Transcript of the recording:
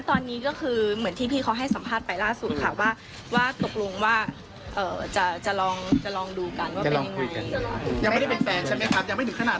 ตอนนี้ก็คือเหมือนที่พี่เค้าให้สัมภาษณ์ไปล่าสุดค่ะว่าตกลงว่าจะลองดูกันว่าเป็นยังไง